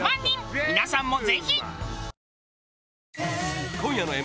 皆さんもぜひ！